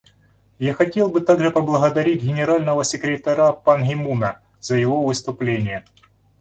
Я хотел бы также поблагодарить Генерального секретаря Пан Ги Муна за его выступление.